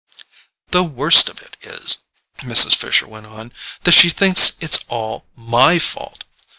"The worst of it is," Mrs. Fisher went on, "that she thinks it's all MY fault.